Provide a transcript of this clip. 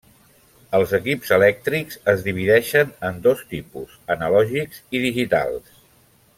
Els equips elèctrics es divideixen en dos tipus: analògics i digitals.